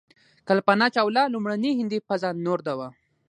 کلپنا چاوله لومړنۍ هندۍ فضانورده وه.